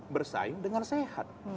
bersaing dengan sehat